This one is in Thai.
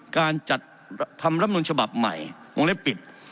การจัดทำรับนูลฉบับใหม่วงเล็บปิด